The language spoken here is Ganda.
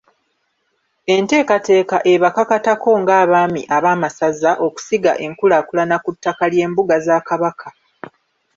Enteekateeka ebakakatako ng'Abaami ab'amasaza okusiga enkulaakulana ku ttaka ly'embuga za Kabaka.